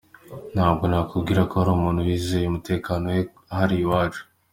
Ntabwo nakubwira ko hari umuntu wizeye umutekano we hariya iwacu.